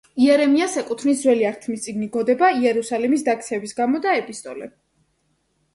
იერემიას ეკუთვნის ძველი აღთქმის წიგნი „გოდება“ იერუსალიმის დაქცევის გამო და ეპისტოლე.